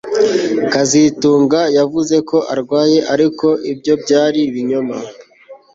kazitunga yavuze ko arwaye ariko ibyo byari ibinyoma